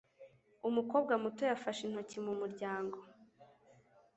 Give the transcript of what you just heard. Umukobwa muto yafashe intoki mu muryango.